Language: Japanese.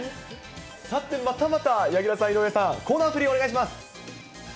さて、またまた柳楽さん、井上さん、コーナー振りお願いします。